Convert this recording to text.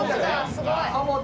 すごい。